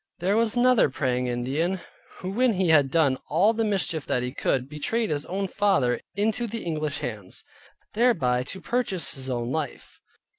There was another Praying Indian, who when he had done all the mischief that he could, betrayed his own father into the English hands, thereby to purchase his own life.